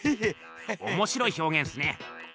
おもしろい表現っすね。